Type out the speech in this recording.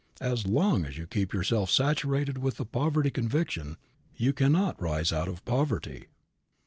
As long as you keep yourself saturated with the poverty conviction you cannot rise out of poverty.